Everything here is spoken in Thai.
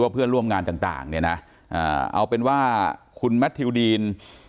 เพื่อนร่วมงานต่างเนี่ยนะเอาเป็นว่าคุณแมททิวดีน